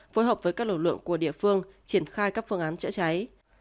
phối hợp với các lực lượng của địa phương triển khai các phương án chữa cháy